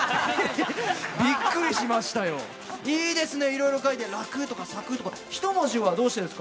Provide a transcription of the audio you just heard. びっくりしましたよ、いいですね、いろいろ書いてあって・「楽」とか、「作」とか１文字なのはどうしてですか？